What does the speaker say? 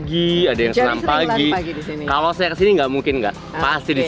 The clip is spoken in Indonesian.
iya tapi kalau yang menarik